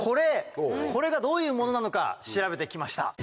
これがどういうものなのか調べてきました。